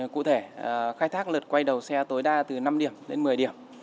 cụ thể khai thác lượt quay đầu xe tối đa từ năm điểm lên một mươi điểm